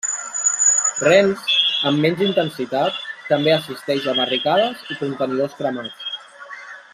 Rennes, amb menys intensitat, també assisteix a barricades i contenidors cremats.